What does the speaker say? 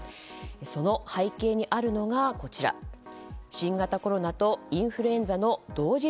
その背景にあるのが新型コロナとインフルエンザの同時